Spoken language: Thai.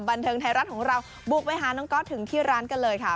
บันเทิงไทยรัฐของเราบุกไปหาน้องก๊อตถึงที่ร้านกันเลยค่ะ